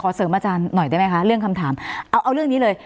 เสริมอาจารย์หน่อยได้ไหมคะเรื่องคำถามเอาเอาเรื่องนี้เลย